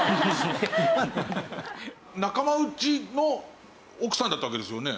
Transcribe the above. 仲間内の奥さんだったわけですよね？